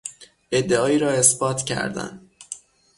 ادعایی را اثبات کردن